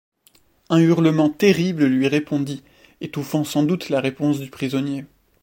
Un hurlement terrible lui répondit, étouffant sans doute la réponse du prisonnier.